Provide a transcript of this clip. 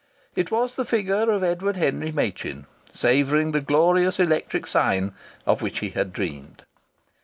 It was the figure of Edward Henry Machin, savouring the glorious electric sign of which he had dreamed.